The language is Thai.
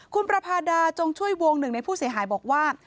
คุณประพาดาจงช่วยวงหนึ่งในผู้เสียหายบอกว่า